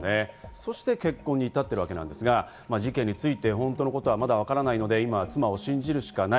そして結婚に至っているわけですが事件について本当のことはまだわからないので、今は妻を信じるしかない。